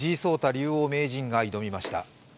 竜王名人が挑みました。